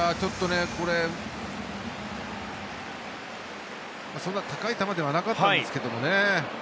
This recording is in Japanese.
これ、そんなに高い球ではなかったんですけどね。